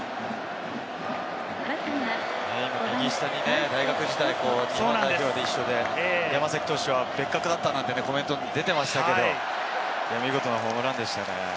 今、右下に大学時代、一緒で、山崎伊織投手は別格だったなんてコメントも出てましたけれども、見事なホームランですね。